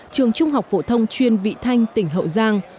trường trung học phổ thông chuyên vị thanh tỉnh hậu giang